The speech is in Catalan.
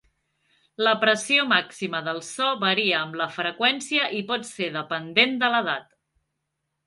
La pressió màxima del so varia amb la freqüència i pot ser dependent de l'edat.